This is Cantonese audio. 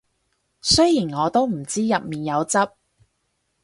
雖然我都唔知入面有汁